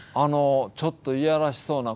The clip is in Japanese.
ちょっと、いやらしそうな。